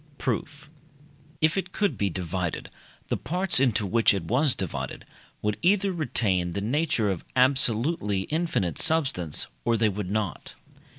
Proof. If it could be divided, the parts into which it was divided would either retain the nature of absolutely infinite substance, or they would not.